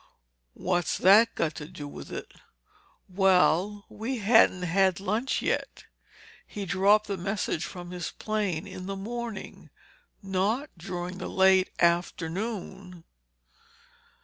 "What's that got to do with it?" "Well, we hadn't had lunch yet—he dropped the message from his plane in the morning—not during the late afternoon!"